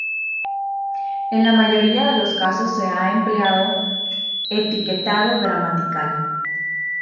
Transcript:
En la mayoría de los casos se ha empleado etiquetado gramatical.